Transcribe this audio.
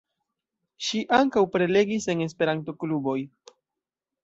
Ŝi ankaŭ prelegis en Esperanto-kluboj.